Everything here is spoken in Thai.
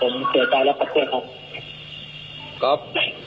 ผมเสียใจแล้วกับเพื่อนครับ